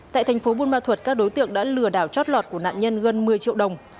tại tp bunma thuật các đối tượng đã lừa đảo chót lọt của nạn nhân gần một mươi triệu đồng